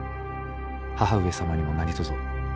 母上様にも何とぞ。